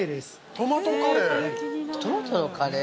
◆トマトのカレー？